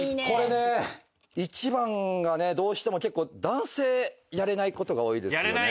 これね１番がねどうしても結構男性やれない事が多いですよね。